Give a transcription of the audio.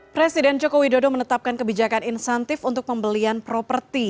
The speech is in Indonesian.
presiden joko widodo menetapkan kebijakan insentif untuk pembelian properti